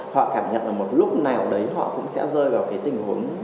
họ cảm nhận là một lúc nào đấy họ cũng sẽ rơi vào cái tình huống